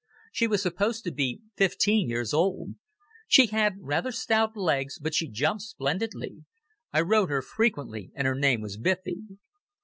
She was supposed to be fifteen years old. She had rather stout legs, but she jumped splendidly. I rode her frequently, and her name was Biffy.